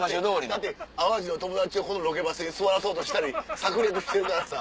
だって淡路の友達をこのロケバスに座らそうとしたり策略してるからさ